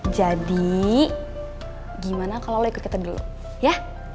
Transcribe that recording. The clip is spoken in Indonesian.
jadi gimana kalau lo ikut kita dulu ya